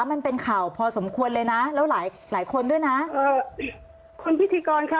มันเป็นข่าวพอสมควรเลยนะแล้วหลายหลายคนด้วยนะเออคุณพิธีกรค่ะ